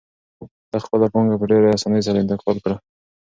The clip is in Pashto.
ده خپله پانګه په ډېرې اسانۍ سره انتقال کړه.